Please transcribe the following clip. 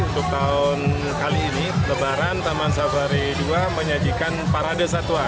untuk tahun kali ini lebaran taman safari dua menyajikan parade satwa